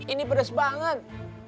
ini pedes banget